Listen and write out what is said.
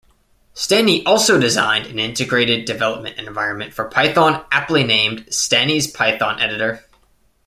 Stani also designed an integrated development environment for Python aptly named "Stani's Python Editor".